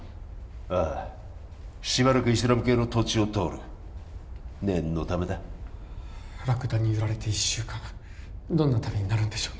ああしばらくイスラム系の土地を通る念のためだラクダに揺られて１週間どんな旅になるんでしょうね？